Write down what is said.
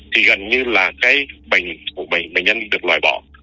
thì gần như là cái bệnh của bệnh nhân được loài bỏ